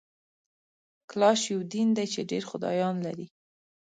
کلاش یو دین دی چي ډېر خدایان لري